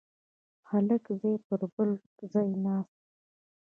هلک ځای پر ځای ناست و.